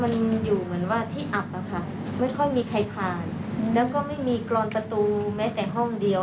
มันอยู่เหมือนว่าที่อับอะค่ะไม่ค่อยมีใครผ่านแล้วก็ไม่มีกรอนประตูแม้แต่ห้องเดียว